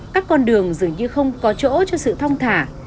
các con đường dường như không có chỗ cho sự thong thả